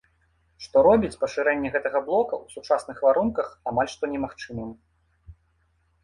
Што робіць пашырэнне гэтага блока ў сучасных варунках амаль што немагчымым.